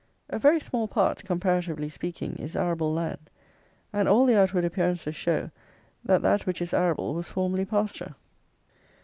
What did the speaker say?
A very small part, comparatively speaking, is arable land; and all the outward appearances show that that which is arable was formerly pasture.